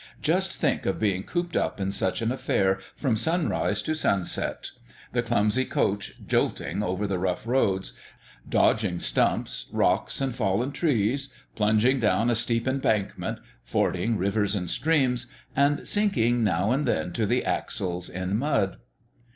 Just think of being cooped up in such an affair from sunrise to sunset—the clumsy "coach" jolting over the rough roads, dodging stumps, rocks, and fallen trees, plunging down a steep embankment, fording rivers and streams, and sinking now and then to the axles in mud!